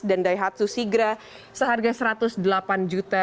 dan daihatsu sigra seharga satu ratus delapan juta